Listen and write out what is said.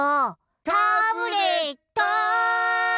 タブレットン！